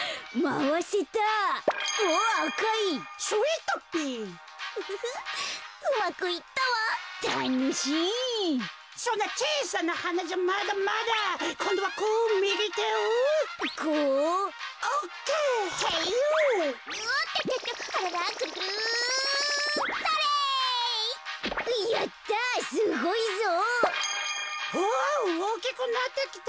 うわっおおきくなってきた。